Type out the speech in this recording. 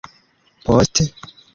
post